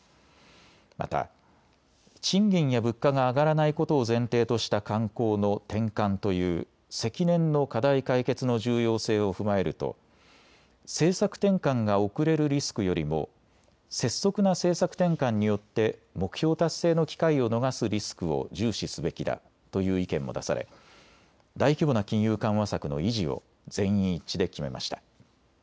また賃金や物価が上がらないことを前提とした慣行の転換という積年の課題解決の重要性を踏まえると政策転換が遅れるリスクよりも拙速な政策転換によって目標達成の機会を逃すリスクを重視すべきだという意見も出され大規模な金融緩和策の維持を全員一致で決めました。